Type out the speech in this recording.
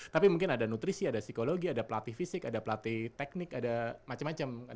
tapi mungkin ada nutrisi ada psikologi ada pelatih fisik ada pelatih teknik ada macam macam